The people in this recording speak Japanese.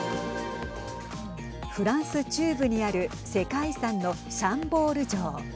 フランス中部にある世界遺産のシャンボール城。